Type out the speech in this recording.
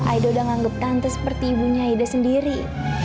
aida udah nganggep tante seperti ibunya aida sendiri